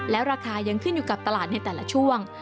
ราคายังขึ้นอยู่กับตลาดในแต่ละช่วง